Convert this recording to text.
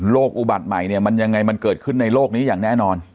อุบัติใหม่เนี่ยมันยังไงมันเกิดขึ้นในโลกนี้อย่างแน่นอน